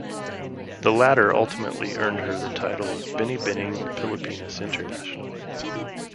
The latter ultimately earned her the title of Binibining Pilipinas International.